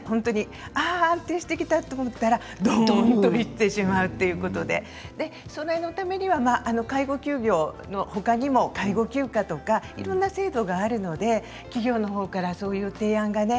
安定してきたと思ったらどんといってしまうということでそのためには介護休業のほかにも介護休暇とかいろんな制度があるので企業のほうから提案がね